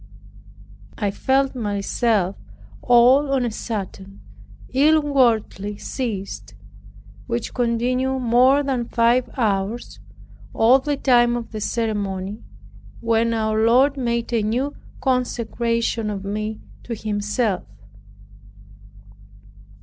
I felt myself all on a sudden inwardly seized, which continued more than five hours, all the time of the ceremony, when our Lord made a new consecration of me to Himself.